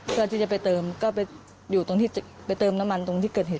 เพื่อที่จะไปเติมก็ไปไว้ที่เติมน้ำมันเกิดเหตุ